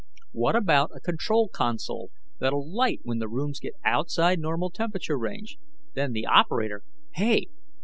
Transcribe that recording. What about a control console that'll light when the rooms get outside normal temperature range? Then the operator " "Hey!